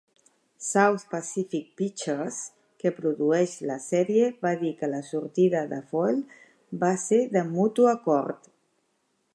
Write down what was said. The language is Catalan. South Pacific Pictures, que produeix la sèrie, va dir que la sortida de Foell va ser "de mutu acord".